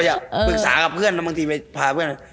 ใช่ปรึกษากับเพื่อนบางทีไปพาเพื่อน